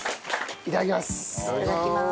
いただきます。